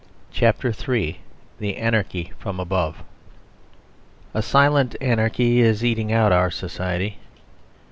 CHAPTER III THE ANARCHY FROM ABOVE A silent anarchy is eating out our society.